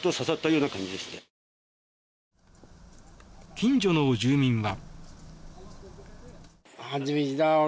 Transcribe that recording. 近所の住民は。